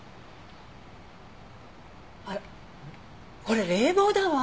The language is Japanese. あらこれ冷房だわ！